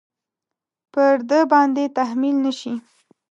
پر ده باندې تحمیل نه شي.